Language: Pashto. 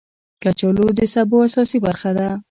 کچالو د سبو اساسي برخه ده